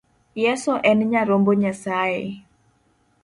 Yeso en nyarombo Nyasaye.